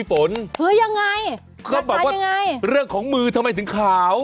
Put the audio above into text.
ฝนเฮอยังไงค่ะร่างควรเพียงใหญ่เรื่องของมือทำไมถึงขาว